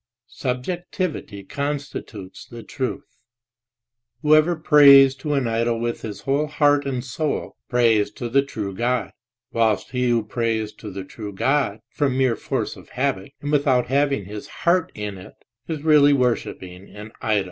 Subjectivity constitutes the truth. Whoever prays to an idol with his whole heart and soul, prays to the true God, whilst he who prays to the true God from mere force of habit and without having his heart in it, is really worshipping an idol.